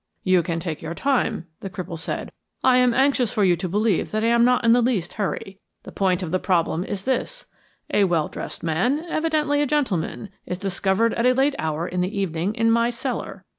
"You can take your time," the cripple said. "I am anxious for you to believe that I am not in the least hurry. The point of the problem is this: a well dressed man, evidently a gentleman, is discovered at a late hour in the evening in my cellar.